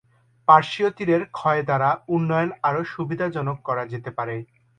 পার্শ্বীয় তীরের ক্ষয় দ্বারা উন্নয়ন আরও সুবিধাজনক করা যেতে পারে।